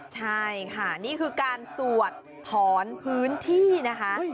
ใช่ค่ะนี่คือการสวดถอนพื้นที่นะคะ